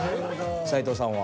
齊藤さんは？